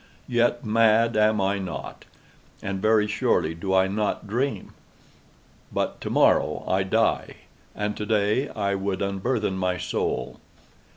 Yet, mad am I not—and very surely do I not dream. But to morrow I die, and to day I would unburthen my soul.